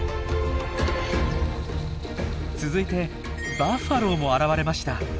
続いてバッファローも現れました。